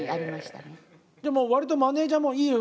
でも割とマネージャーもいいよ。